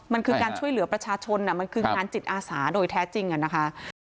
มันคือการช่วยเหลือประชาชนมันคืองานจิตอาสาโดยแท้จริงนะคะ